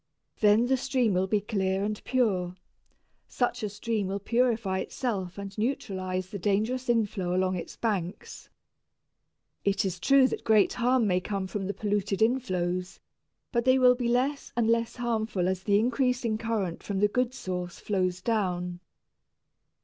Then the stream will be clear and pure. Such a stream will purify itself and neutralize the dangerous inflow along its banks. It is true that great harm may come from the polluted inflows, but they will be less and less harmful as the increasing current from the good source flows down.